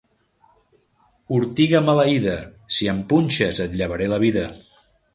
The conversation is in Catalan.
Ortiga maleïda: si em punxes et llevaré la vida.